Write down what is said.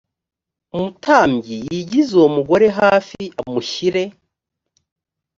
umutambyi yigize uwo mugore hafi amushyire